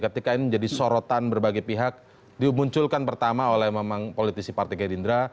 ketika ini menjadi sorotan berbagai pihak dimunculkan pertama oleh memang politisi partai gerindra